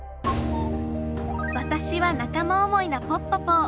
わたしは仲間思いなポッポポー。